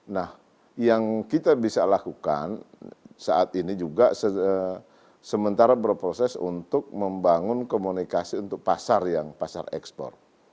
nah yang kita bisa lakukan saat ini juga sementara berproses untuk membangun komunikasi untuk pasar yang pasar ekspor